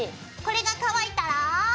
これが乾いたら。